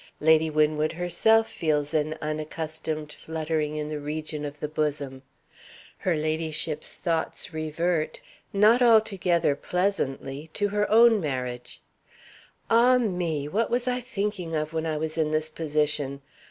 Lady Winwood herself feels an unaccustomed fluttering in the region of the bosom. Her ladyship's thoughts revert, not altogether pleasantly, to her own marriage: "Ah me! what was I thinking of when I was in this position?